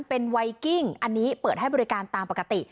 เป็นไวกิ้งอันนี้เปิดให้บริการตามปกติ